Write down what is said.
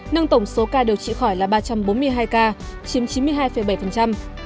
nâng tổng số ca điều trị khỏi là ba trăm bốn mươi hai ca chiếm chín mươi hai bảy